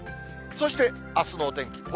そして、あすのお天気。